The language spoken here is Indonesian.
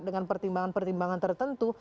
dengan pertimbangan pertimbangan tertentu